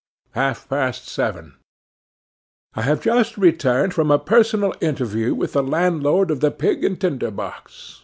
'Half past seven. I HAVE just returned from a personal interview with the landlord of the Pig and Tinder box.